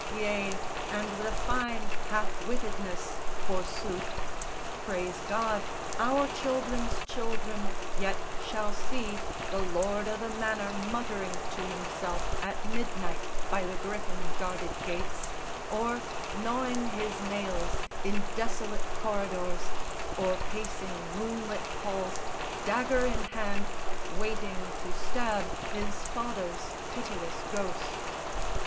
Yea, And with a fine half wittedness, forsooth. Praise God, our children's children yet shall see The lord o' the manor muttering to himself At midnight by the gryphon guarded gates, Or gnawing his nails in desolate corridors, Or pacing moonlit halls, dagger in hand, Waiting to stab his father's pitiless ghost."